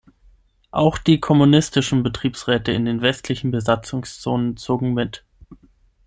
Auch die kommunistischen Betriebsräte in den westlichen Besatzungszonen zogen mit.